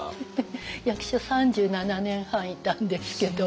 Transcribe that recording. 役所３７年半いたんですけど。